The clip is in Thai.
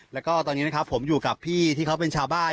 แล้วก็ตอนนี้นะครับผมอยู่กับพี่ที่เขาเป็นชาวบ้าน